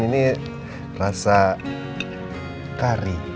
ini rasa kari